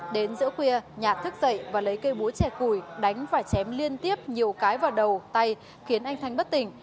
đến giữa khuya nhạt thức dậy và lấy cây búa trẻ củi đánh và chém liên tiếp nhiều cái vào đầu tay khiến anh thanh bất tỉnh